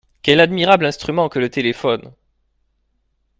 Quel admirable instrument que le téléphone !…